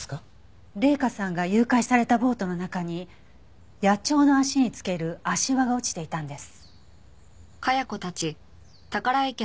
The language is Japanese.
麗華さんが誘拐されたボートの中に野鳥の足につける足環が落ちていたんです。